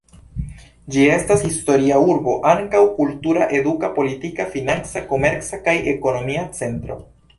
Ĝi estas historia urbo, ankaŭ kultura, eduka, politika, financa, komerca kaj ekonomia centro.